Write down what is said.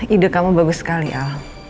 ide kamu bagus sekali al